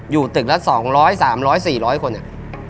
อยู่ตึกละ๒๐๐๓๐๐๔๐๐คนเนี่ย